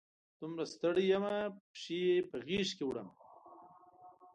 دومره ستړي یمه، پښې په غیږ کې وړمه